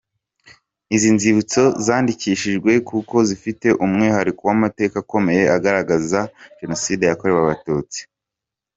Izi nzibutso zandikishijwe kuko zifite umwihariko w’amateka akomeye agaragaza Jenoside yakorewe Abatutsi.